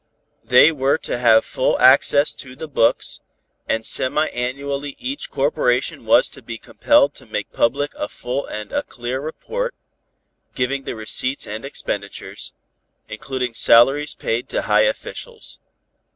They were to have full access to the books, and semi annually each corporation was to be compelled to make public a full and a clear report, giving the receipts and expenditures, including salaries paid to high officials.